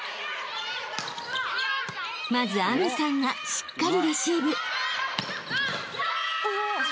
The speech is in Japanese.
［まず明未さんがしっかりレシーブ］